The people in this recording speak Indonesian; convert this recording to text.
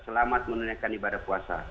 selamat menunjukan ibadah puasa